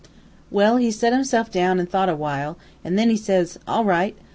"Well, he set himself down an' thought a while, an' then he says, 'All right.